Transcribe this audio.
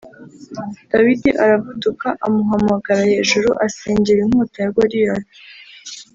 Dawidi aravuduka amuhagarara hejuru asingira inkota ya Goliyati